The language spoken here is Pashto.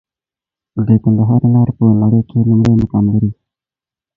د کندهار انار په نړۍ کې لومړی مقام لري.